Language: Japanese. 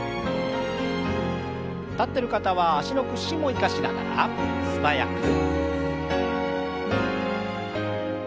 立ってる方は脚の屈伸も生かしながら素早く。